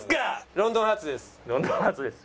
『ロンドンハーツ』ですよね。